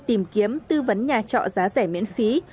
tìm kiếm tư vấn nhà trọ giá rẻ miễn phí